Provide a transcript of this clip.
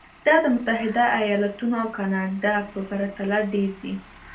دا د متحده ایالتونو او کاناډا په پرتله ډېر دي.